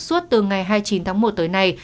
suốt từ ngày hai mươi chín tháng một tới nay